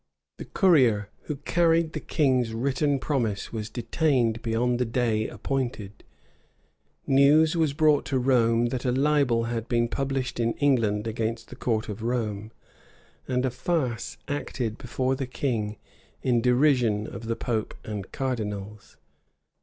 The courier who carried the king's written promise was detained beyond the day appointed: news was brought to Rome that a libel had been published in England against the court of Rome, and a farce acted before the king in derision of the pope and cardinals.